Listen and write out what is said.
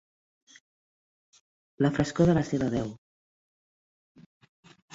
La frescor de la seva veu.